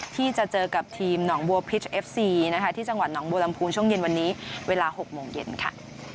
ที่จะเจอกับทีมหนองบัวพิษเอฟซีนะคะที่จังหวัดหนองบัวลำพูช่วงเย็นวันนี้เวลา๖โมงเย็นค่ะ